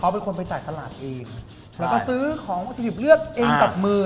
เป็นคนไปจ่ายตลาดเองแล้วก็ซื้อของวัตถุดิบเลือกเองกับมือ